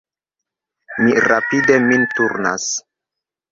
Mi rapide min turnas.